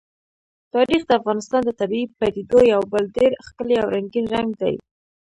تاریخ د افغانستان د طبیعي پدیدو یو بل ډېر ښکلی او رنګین رنګ دی.